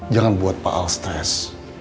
jangan buat pak al stres